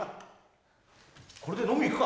これで飲み行くか？